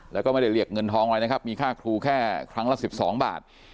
แล้วก็ไม่ได้เรียกเงินทองอะไรนะครับมีค่าครูแค่ครั้งละ๑๒บาท